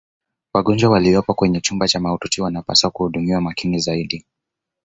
wagonjwa waliyopo kwenye chumba cha mautiuti wanapaswa kuhudumiwa makini zaidi